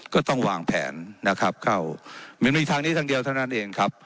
ก็ต้องวางแผนนะครับเข้ามันมีทางนี้ทางเดียวเท่านั้นเองครับ